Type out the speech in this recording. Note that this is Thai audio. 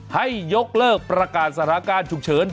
ให้ยกเลิกประกาศสถานการณ์ฉุกเฉิน